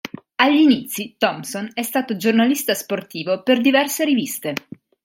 Agli inizi Thompson è stato giornalista sportivo per diverse riviste.